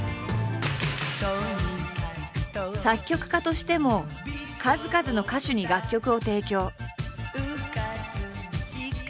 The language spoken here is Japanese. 作曲家としても数々の歌手に楽曲を提供。